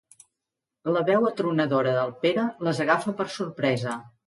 La veu atronadora del Pere les agafa per sorpresa.